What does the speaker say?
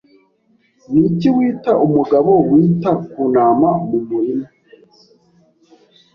Niki wita umugabo wita ku ntama mu murima?